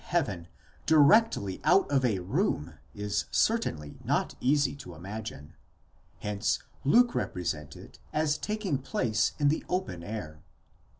heaven directly out of a room is certainly not easy to imagine; hence Luke represents it as taking place in the open air.